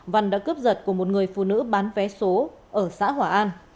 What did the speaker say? văn đã cướp giật của một người phụ nữ bán vé số ở xã hỏa an